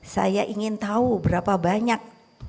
saya ingin tahu berapa banyak